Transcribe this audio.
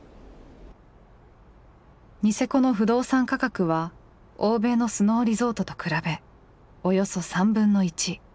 ニセコの不動産価格は欧米のスノーリゾートと比べおよそ３分の１。